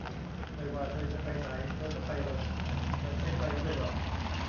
ไม่ว่าเธอจะไปไหน เธอก็ไปเหอะ ฉันไม่ไปด้วยหรอก